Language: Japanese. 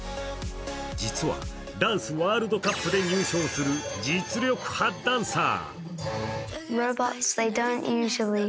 実は、ダンスワールドカップで入賞する実力派ダンサー。